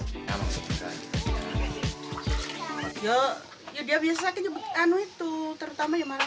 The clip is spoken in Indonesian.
hewan yang diilhuti oleh itu tingkat mudah